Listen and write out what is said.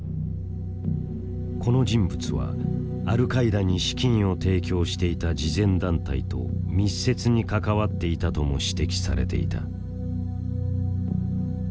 この人物はアルカイダに資金を提供していた慈善団体と密接に関わっていたとも指摘されていた。